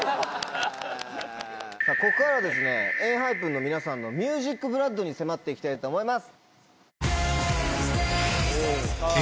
ここからはＥＮＨＹＰＥＮの皆さんのＭＵＳＩＣＢＬＯＯＤに迫って行きたいと思います。